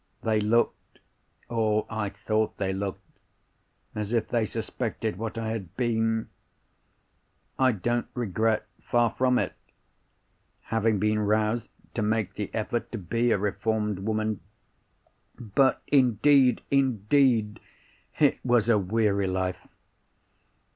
They looked (or I thought they looked) as if they suspected what I had been. I don't regret, far from it, having been roused to make the effort to be a reformed woman—but, indeed, indeed it was a weary life.